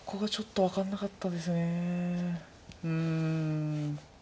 うん。